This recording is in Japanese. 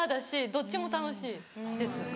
どっちも楽しいです。